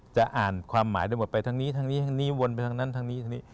จะอ่านความหมายได้หมดไปทั้งนี้ทั้งนี้ทั้งนี้วนไปทั้งนั้นทั้งนี้ทั้งนี้